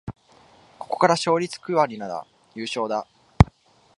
ここから勝率九割なら優勝だ